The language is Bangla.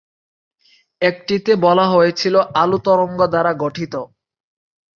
একটিতে বলা হয়েছিল আলো তরঙ্গ দ্বারা গঠিত।